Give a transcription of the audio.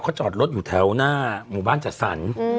เขาจอดรถอยู่แถวหน้าหมู่บ้านจัดสรร